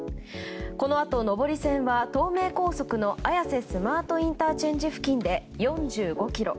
このあと上り線は東名高速の綾瀬スマートＩＣ付近で４５ｋｍ